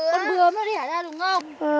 con bướm nó đẻ ra đúng không